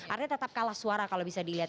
artinya tetap kalah suara kalau bisa dilihat